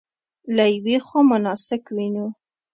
له یوې خوا مناسک وینو.